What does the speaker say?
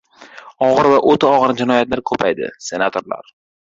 «Og‘ir va o‘ta og‘ir jinoyatlar ko‘paydi» – Senatorlar